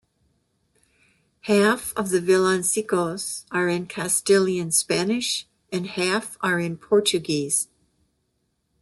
Half of the villancicos are in Castilian Spanish, and half are in Portuguese.